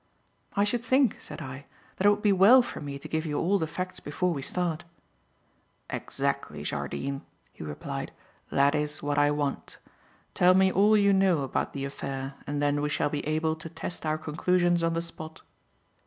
"I should think," said I, "that it would be well for me to give you all the facts before we start." "Exactly, Jardine," he replied, "that is what I want. Tell me all you know about the affair and then we shall be able to test our conclusions on the spot."